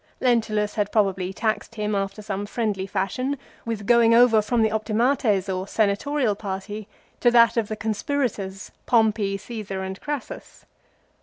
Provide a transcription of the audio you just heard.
Lentulus had probably taxed him, after some friendly fashion, with going over from the " opti mates" or Senatorial party to that of the conspirators Pompey, Caesar, and Crassus.